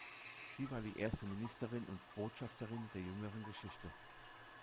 Sie war die erste Ministerin und Botschafterin der jüngeren Geschichte.